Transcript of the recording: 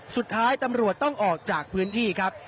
สุดท้ายตำรวจต้องออกจากพื้นที่ครับ